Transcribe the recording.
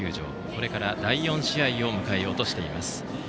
これから第４試合を迎えようとしています。